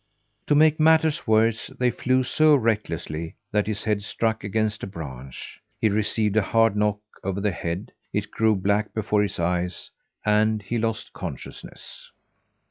To make matters worse, they flew so recklessly that his head struck against a branch. He received a hard knock over the head, it grew black before his eyes, and he lost consciousness.